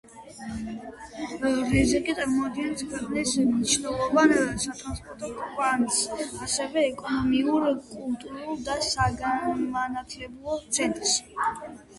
რეზეკნე წარმოადგენს ქვეყნის მნიშვნელოვან სატრანსპორტო კვანძს, ასევე ეკონომიკურ, კულტურულ და საგანმანათლებლო ცენტრს.